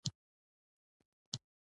خدای هم نه بدلوي حال د هغه قوم